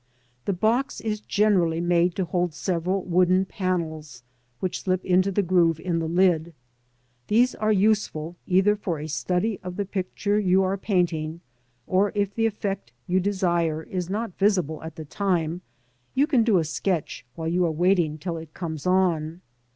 The box is generally made to hold several wood panels, which slip into the groove in the lid. These are useful either for a study of the picture you are painting, or, if the effect you desire is not visible at the time, you can do a sketch while you are waiting till it comes on.